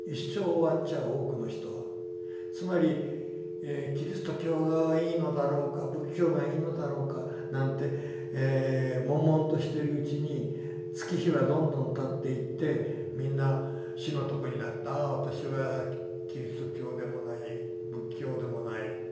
つまりキリスト教がいいのだろうか仏教がいいのだろうかなんて悶々としているうちに月日はどんどんたっていってみんな死の床になってああ私はキリスト教でもない仏教でもない神道でもない